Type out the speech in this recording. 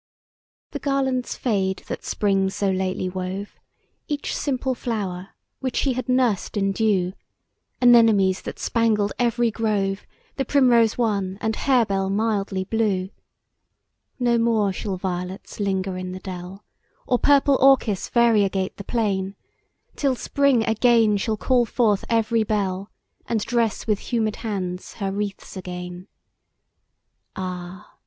THE garlands fade that Spring so lately wove, Each simple flower, which she had nursed in dew, Anemonies, that spangled every grove, The primrose wan, and hare bell mildly blue. No more shall violets linger in the dell, Or purple orchis variegate the plain, Till Spring again shall call forth every bell, And dress with humid hands her wreaths again. Ah!